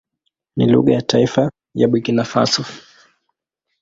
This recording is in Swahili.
Ni lugha ya taifa ya Burkina Faso.